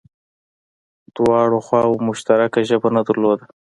دواړو خواوو مشترکه ژبه نه درلوده